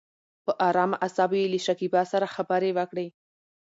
په ارامه اصابو يې له شکيبا سره خبرې وکړې.